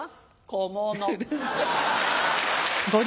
小物。